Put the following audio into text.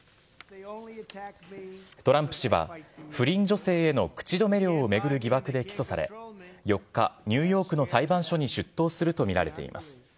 トランプ氏は、不倫女性への口止め料を巡る疑惑で起訴され、４日、ニューヨークの裁判所に出頭すると見られています。